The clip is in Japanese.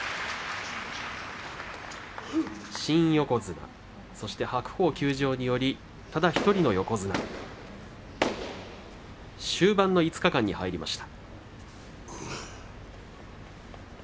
新横綱、そして白鵬休場によりただ１人の横綱終盤の５日間に入りました。